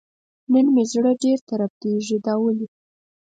نن مې زړه ډېر تربتېږي دا ولې ؟